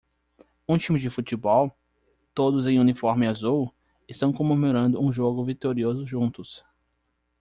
Um time de futebol? todos em uniforme azul? estão comemorando um jogo vitorioso juntos.